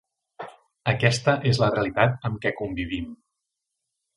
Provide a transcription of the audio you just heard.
Aquesta és la realitat amb què convivim.